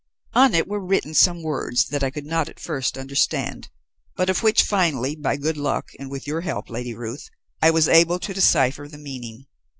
"On it were written some words that I could not at first understand, but of which finally, by good luck, and with your help, Lady Ruth, I was able to decipher the meaning.